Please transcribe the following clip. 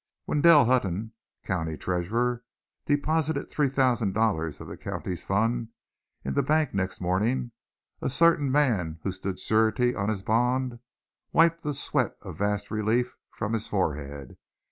When Dell Hutton, county treasurer, deposited three thousand dollars of the county's funds in the bank next morning, a certain man who stood surety on his bond wiped the sweat of vast relief from his forehead.